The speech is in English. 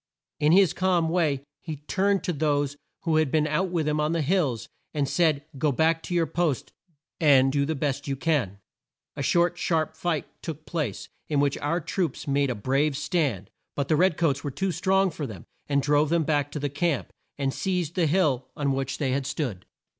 In his calm way he turned to those who had been out with him on the hills, and said "Go back to your posts, and do the best you can." A short, sharp fight took place, in which our troops made a brave stand, but the red coats were too strong for them, and drove them back to the camp, and seized the hill on which they had stood.